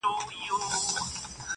که یې لمبو دي ځالګۍ سوځلي،